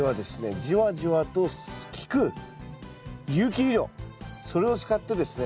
じわじわと効く有機肥料それを使ってですね